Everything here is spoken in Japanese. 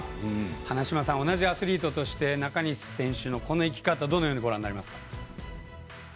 花島さん、同じアスリートとして中西選手の、この生き方どのようにご覧になりますか？